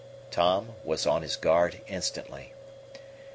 Tom was on his guard instantly.